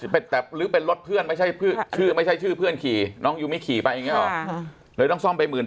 ผลเป็นรถเพื่อนไม่ใช่ผือชื่อไม่ใช่ชื่อเพื่อนขี่น้องไม่ขี่ไปเองเลยต้องซ่อมไปหมื่น